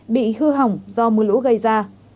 bị hư hỏng do mưa lũ gây ra